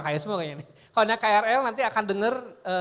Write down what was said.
kalau naik krl nanti akan dengar